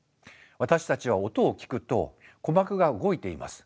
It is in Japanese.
私たちは音を聞くと鼓膜が動いています。